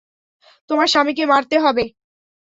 তোমার স্বামীকে মারতে হবে।